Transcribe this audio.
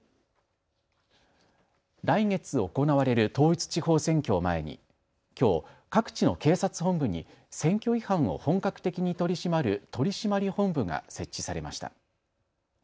来月行われる統一地方選挙を前にきょう、各地の警察本部に選挙違反を本格的に取り締まる取締本部が設置されました。